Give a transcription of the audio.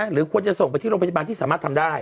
หรือควรจะส่งไปที่โรงพยาบาลที่สามารถทำได้